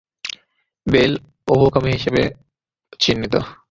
Bell উভকামী হিসাবে চিহ্নিত।